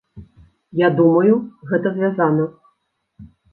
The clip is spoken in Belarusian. Я думаю, гэта звязана.